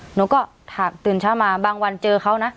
หนูก็ถามตื่นเช้ามาบางวันเจอเขานะ